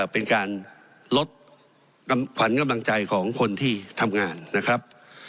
เป็นการลดขวัญกำลังใจของคนที่ทำงานนะครับ